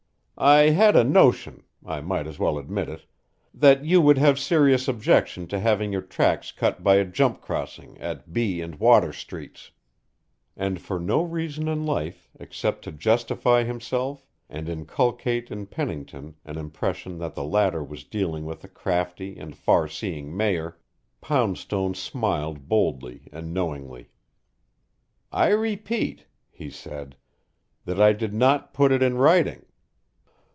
"I had a notion I might as well admit it that you would have serious objection to having your tracks cut by a jump crossing at B and Water streets." And for no reason in life except to justify himself and inculcate in Pennington an impression that the latter was dealing with a crafty and far seeing mayor, Poundstone smiled boldly and knowingly. "I repeat," he said, "that I did not put it in writing."